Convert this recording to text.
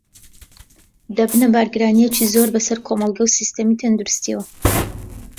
دەبنە بارگرانییەکی زۆر بەسەر کۆمەڵگە و سیستمی تەندروستییەوە